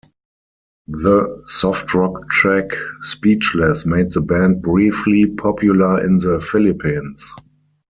The soft rock track "Speechless" made the band briefly popular in the Philippines.